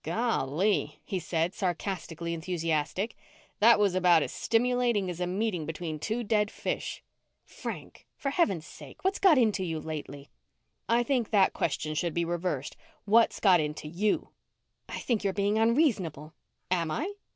"Golly," he said, sarcastically enthusiastic, "that was about as stimulating as a meeting between two dead fish." "Frank! For heaven's sake! What's got into you lately?" "I think that question should be reversed. 'What's got into you?" "I think you're being unreasonable." "Am I?